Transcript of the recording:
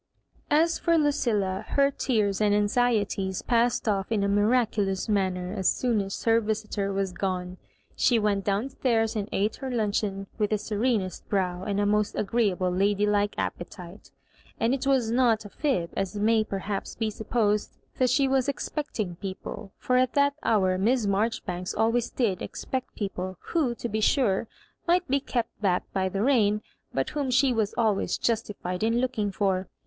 As for Lucilla, her tears and anxieties passed off in a miraculous manner as soon as her visitor was gone. Slie went down stairs and ate her luncheon with the serenest brow and a most agreeable lady4ike appetite. And it was not a fib, as may perhaps be supposed, that she was expecting. people — for at that hour Miss Maijori banks always did expect people, who, to be sure, might be kept back by the rain, but whom she was always justified in looking for.